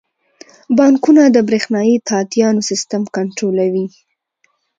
بانکونه د بریښنايي تادیاتو سیستم کنټرولوي.